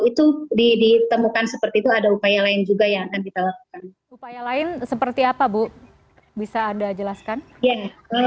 itu ditemukan seperti itu ada upaya lain juga ya nanti telah upaya lain seperti apa bu bisa anda jelaskan